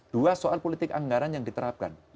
dua soal politik anggaran yang diterapkan